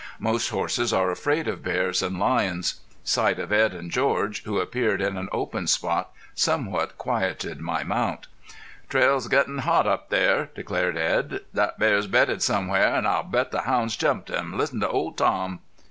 Most horses are afraid of bears and lions. Sight of Edd and George, who appeared in an open spot, somewhat quieted my mount. "Trail's gettin' hot up there," declared Edd. "That bear's bedded somewhere an' I'll bet the hounds jumped him. Listen to Old Tom!"